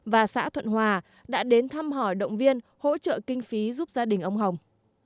và xã thuận hòa đã đến thăm hỏi động viên hỗ trợ kinh phí giúp gia đình ông hồng